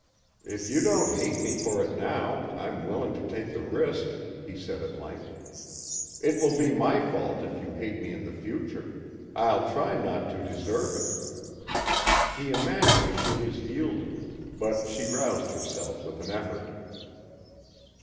"If you don't hate me for it now, I'm willing to take the risk," he said at length. "It will be my fault if you hate me in the future; I'll try not to deserve it." He imagined she was yielding, but she roused herself with an effort.